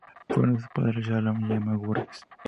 Fueron sus padres Chalon y Emma Burgess.